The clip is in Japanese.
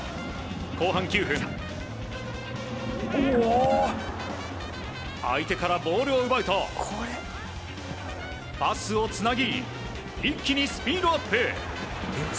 後半９分相手からボールを奪うとパスをつなぎ一気にスピードアップ。